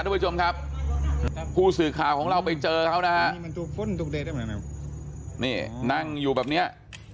ทุกผู้ชมครับผู้สื่อข่าวของเราไปเจอเขานะฮะนี่นั่งอยู่แบบเนี้ย